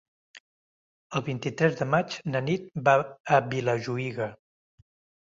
El vint-i-tres de maig na Nit va a Vilajuïga.